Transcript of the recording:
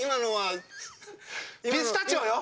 ピスタチオよ！